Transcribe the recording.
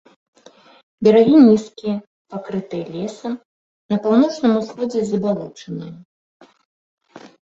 Берагі нізкія, пакрытыя лесам, на паўночным усходзе забалочаныя.